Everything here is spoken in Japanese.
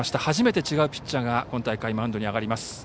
初めて違うピッチャーが今大会マウンドに上がります。